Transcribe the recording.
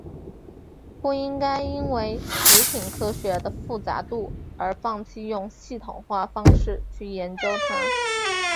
不应该因为食品科学的复杂度而放弃用系统化方式去研究它。